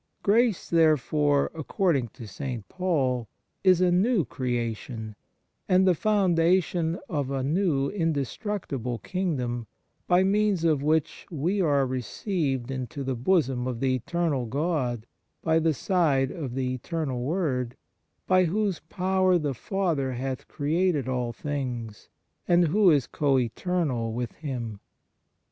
Grace therefore, according to St. Paul, is a new creation, and the foundation of a new indestructible kingdom, by means of which we are received into the bosom of the Eternal God by the side of the Eternal Word, by whose power the Father hath created all things and who is co eternal with Him.